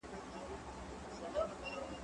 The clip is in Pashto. زه اجازه لرم چي ليکلي پاڼي ترتيب کړم